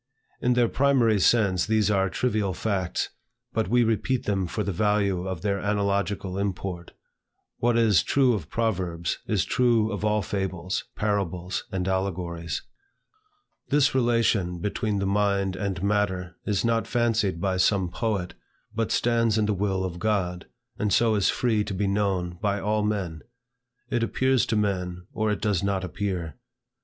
In their primary sense these are trivial facts, but we repeat them for the value of their analogical import. What is true of proverbs, is true of all fables, parables, and allegories. This relation between the mind and matter is not fancied by some poet, but stands in the will of God, and so is free to be known by all men. It appears to men, or it does not appear.